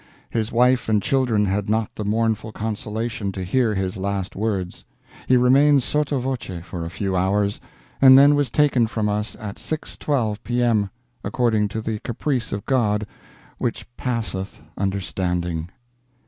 His wife and children had not the mournful consolation to hear his last words; he remained sotto voce for a few hours, and then was taken from us at 6.12 P.m. according to the caprice of God which passeth understanding."